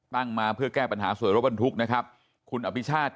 มาเพื่อแก้ปัญหาสวยรถบรรทุกนะครับคุณอภิชาติ